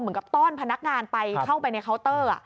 เหมือนกับต้อนพนักงานไปเข้าไปในเคาน์เตอร์